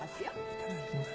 いただきます。